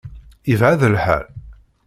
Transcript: Yebεed lḥal?